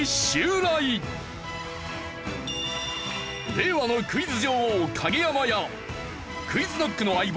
令和のクイズ女王影山やＱｕｉｚＫｎｏｃｋの相棒